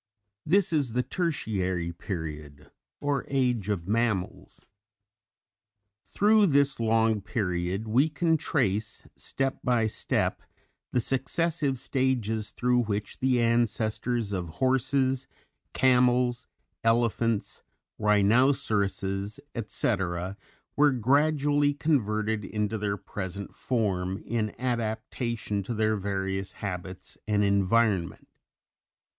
This is the Tertiary Period or Age of Mammals. Through this long period we can trace step by step the successive stages through which the ancestors of horses, camels, elephants, rhinoceroses, etc., were gradually converted into their present form in adaptation to their various habits and environment.